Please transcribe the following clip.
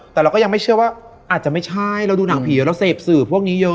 แต่เราก็ยังไม่เชื่อว่าอาจจะไม่ใช่เราดูหนังผีเราเสพสื่อพวกนี้เยอะ